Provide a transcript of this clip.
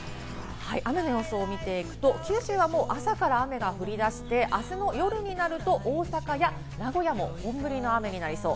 雨の予想を見ていくと、九州はもう朝から雨が降り出して、明日の夜になると大阪や名古屋も本降りの雨になりそう。